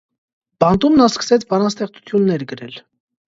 Բանտում նա սկսեց բանաստեղծություններ գրել։